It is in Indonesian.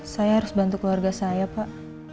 saya harus bantu keluarga saya pak